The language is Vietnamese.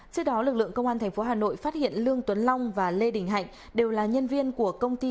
trước đó lực lượng công an tp hà nội phát hiện lương tuấn long và lê đình hạnh đều là nhân viên của công ty